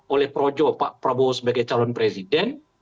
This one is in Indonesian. oleh projo pak prabowo sebagai calon presiden